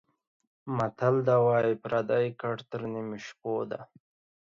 متل ده:واى پردى ګټ تر نيمو شپو ده.